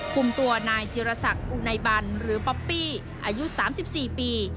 คุมตัวนายจิรษักอุไนบันหรือป๊อปปี้อายุ๓๔ปี